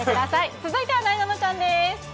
続いてはなえなのちゃんです。